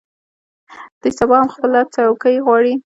دوی سبا هم خپلې څوکۍ غواړي.